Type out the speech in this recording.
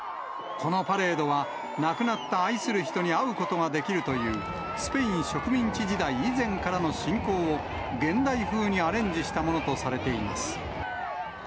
このパレードは亡くなった愛する人に会うことができるという、スペイン植民地時代以前からの信仰を、現代風にアレンジしたものとされています。